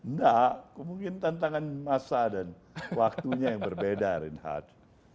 ndak mungkin tantangan masa dan waktunya yang berbeda reinhardt